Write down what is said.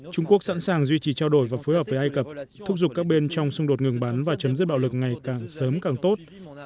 trung quốc sẵn sàng duy trì trao đổi và phối hợp với ai cập thúc giục các bên trong xung đột ngừng bắn và chấm dứt bạo lực ngày càng sớm càng tốt